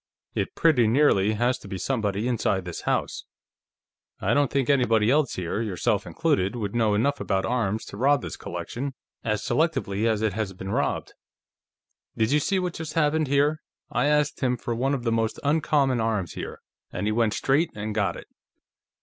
"It pretty nearly has to be somebody inside this house. I don't think anybody else here, yourself included, would know enough about arms to rob this collection as selectively as it has been robbed. Did you see what just happened, here? I asked him for one of the most uncommon arms here, and he went straight and got it.